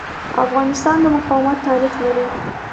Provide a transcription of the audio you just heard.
افغانستان د مقاومت تاریخ لري.